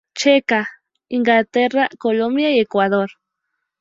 Checa, Inglaterra, Colombia, y Ecuador.